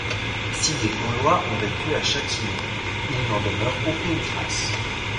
Si des Gaulois ont vécu à Châtillon, il n'en demeure aucune trace.